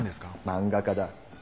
漫画家だ。